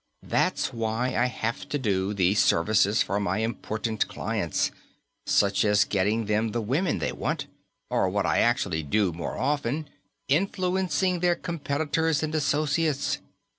"That's why I have to do these services for my important clients, such as getting them the women they want or, what I actually do more often, influencing their competitors and associates.